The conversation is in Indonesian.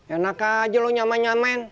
enak aja lo nyaman nyaman